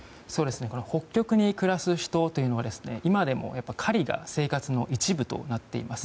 北極に暮らす人というのは今でも狩りが生活の一部となっています。